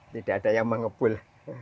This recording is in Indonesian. tidak ada yang mengepul